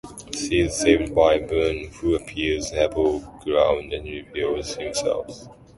She is saved by Boone, who appears above ground and reveals himself.